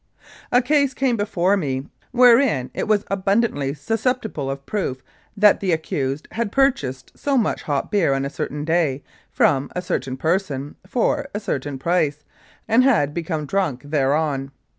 A case came before me wherein it was abundantly susceptible of proof that the accused had purchased so much hop beer on a certain day, from a certain person, for a certain price, and had become drunk thereon.